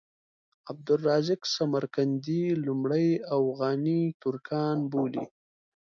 عبدالرزاق سمرقندي لومړی اوغاني ترکان بولي.